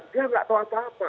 dia nggak tahu apa apa